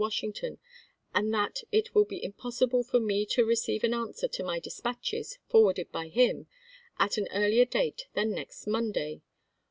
"Washington, and that it will be impossible for me to re ceive an answer to my dispatches, forwarded by him, at an earlier date than next Monday.